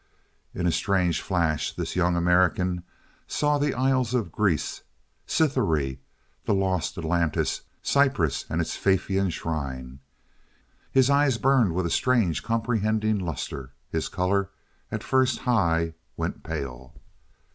In a strange flash this young American saw the isles of Greece, Cytherea, the lost Atlantis, Cyprus, and its Paphian shrine. His eyes burned with a strange, comprehending luster; his color, at first high, went pale.